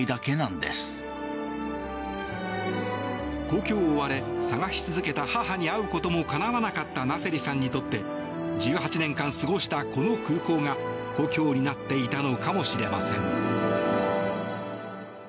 故郷を追われ捜し続けた母に会うこともかなわなかったナセリさんにとって１８年間過ごした、この空港が故郷になっていたのかもしれません。